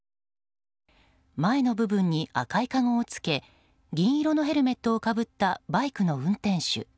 前の部分に赤いかごをつけ銀色のヘルメットをかぶったバイクの運転手。